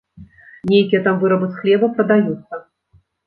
Нейкія там вырабы з хлеба прадаюцца.